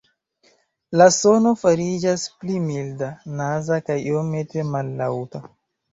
La sono fariĝas pli milda, "naza" kaj iomete mallaŭta.